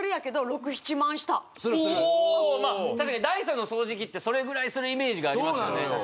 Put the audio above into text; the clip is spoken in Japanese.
するする確かにダイソンの掃除機ってそれぐらいするイメージがありますよね